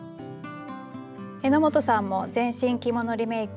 榎本さんも全身着物リメイク。